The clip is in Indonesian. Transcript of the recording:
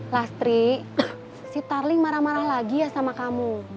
lastri si tarling marah marah lagi ya sama kamu